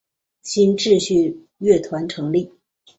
新秩序乐团成立。